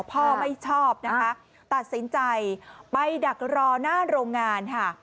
พ่อไม่ชอบนะคะตัดสินใจไปดักรอหน้าโรงงานค่ะ